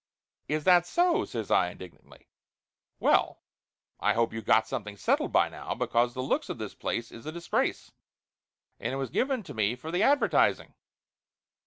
"Is that so?" says I indignantly. "Well, I hope you got something settled by now, because the looks of this place is a disgrace, and it was given to me for the ad vertising!